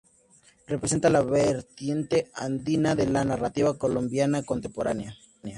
Representa la vertiente andina de la narrativa colombiana contemporánea.